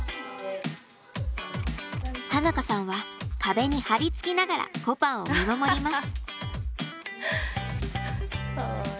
花香さんは壁に張り付きながらこぱんを見守ります。